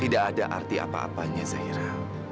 tidak ada arti apa apanya zaira